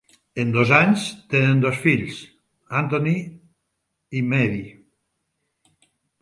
En dos anys, tenen dos fills, Anthony i Mary.